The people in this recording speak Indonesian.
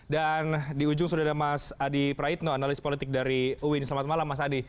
dan di ujung sudah ada mas adi praitno analis politik dari uin selamat malam mas adi